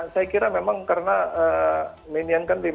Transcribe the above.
saya kira memang karena minions kan lima ratus